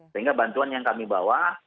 sehingga bantuan yang kami bawa